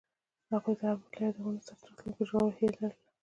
هغوی د آرمان له یادونو سره راتلونکی جوړولو هیله لرله.